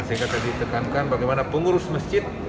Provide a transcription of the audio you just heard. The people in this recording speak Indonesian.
sehingga tadi tekankan bagaimana pengurus masjid